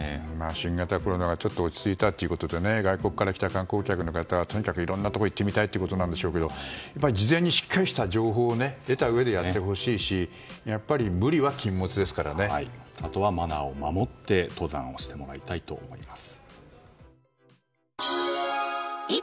新型コロナがちょっと落ち着いたということで外国から来た観光客の方はとにかく、いろいろなところ行ってみたいということなんでしょうけどやっぱり事前にしっかり情報を得てやってほしいしあとはマナーを守って登山してもらいたいと思います。